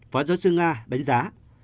phó giáo sư nga đánh giá